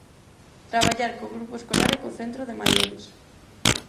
Traballar co grupo escolar e co centro de maiores.